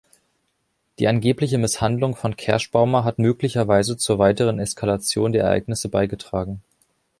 Die angebliche Misshandlung von Kerschbaumer hat möglicherweise zur weiteren Eskalation der Ereignisse beigetragen.